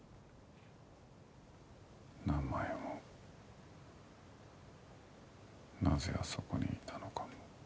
名前もなぜあそこにいたのかも。